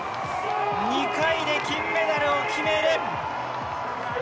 ２回で金メダルを決める。